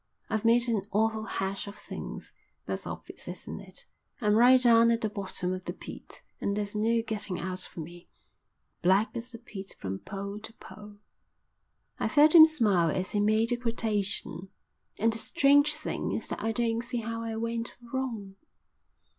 "I've made an awful hash of things. That's obvious, isn't it? I'm right down at the bottom of the pit and there's no getting out for me. 'Black as the pit from pole to pole.'" I felt him smile as he made the quotation. "And the strange thing is that I don't see how I went wrong."